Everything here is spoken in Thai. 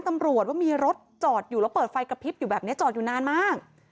ตำรวจว่ามีรถจอดอยู่แล้วเปิดไฟกระพริบอยู่แบบนี้จอดอยู่นานมาก